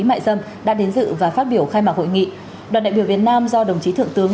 mại dâm đã đến dự và phát biểu khai mạc hội nghị đoàn đại biểu việt nam do đồng chí thượng tướng